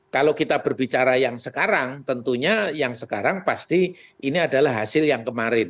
kalau kita berbicara yang sekarang tentunya yang sekarang pasti ini adalah hasil yang kemarin